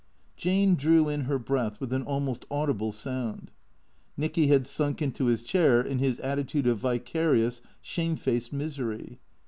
Jane drew in her breath with an almost audible sound. Nicky had sunk into his chair in his attitude of vicarious, shamefaced misery.